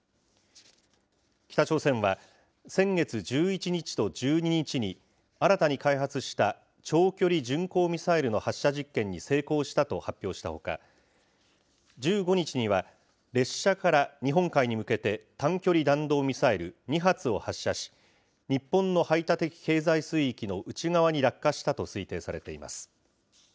北朝鮮は先月１１日と１２日に新たに開発した長距離巡航ミサイルの発射実験に成功したと発表したほか、１５日には列車から日本海に向けて短距離弾道ミサイル２発を発射し、日本の排他的経済水域の内側に落下したと推定されています。